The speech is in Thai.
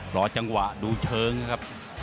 รอจังหวะดูเชิงนะครับ